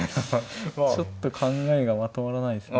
ちょっと考えがまとまらないですね。